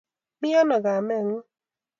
Miano kameng'ung'?